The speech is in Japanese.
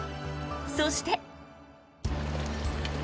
そして。